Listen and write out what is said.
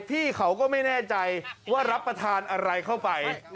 พี่เขาก็ไม่แน่ใจว่ารับประทานอะไรเข้าไป